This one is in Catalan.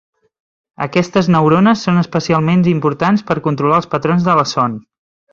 Aquestes neurones són especialment importants per a controlar els patrons de la son.